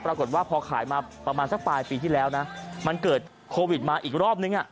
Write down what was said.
ปรากฏว่าพอขายมาประมาณสักปลายปีที่แล้วนะมันเกิดโควิดมาอีกรอบนึง